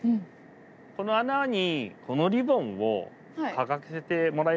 この穴にこのリボンをかざしてもらえますか。